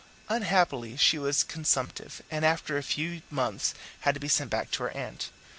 Unhappily she was consumptive, and after a few months had to be sent back to her aunt.